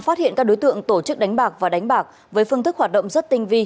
phát hiện các đối tượng tổ chức đánh bạc và đánh bạc với phương thức hoạt động rất tinh vi